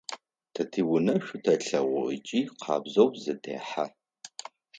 Тэ тиунэ шӏу тэлъэгъу ыкӏи къабзэу зетэхьэ.